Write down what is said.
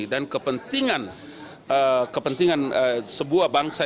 dan kepentingan sebuah bangsa